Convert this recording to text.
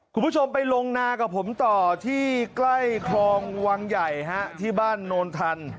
คุณผู้ชมไปลงนากับผมต่อที่ใกล้คลองวังใหญ่ฮะที่บ้านโนนทัน